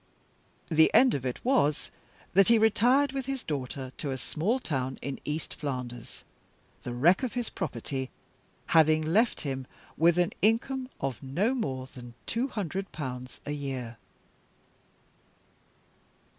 The end of it was that he retired, with his daughter, to a small town in East Flanders; the wreck of his property having left him with an income of no more than two hundred pounds a year."